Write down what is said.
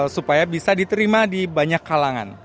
supaya bisa diterima di banyak kalangan